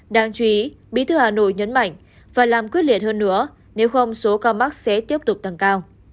đáng chú ý bí thư hà nội nhấn mạnh phải làm quyết liệt hơn nữa nếu không số ca mắc sẽ tiếp tục tăng cao